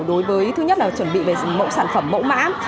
đối với thứ nhất là chuẩn bị về mẫu sản phẩm mẫu mã